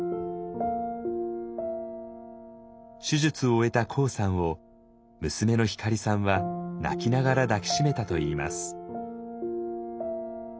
手術を終えたＫＯＯさんを娘のひかりさんは泣きながら抱き締めたといいます。